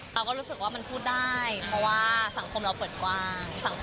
เราก็รู้สึกว่ามันพูดได้เพราะว่าสังคมเราเปิดกว้าง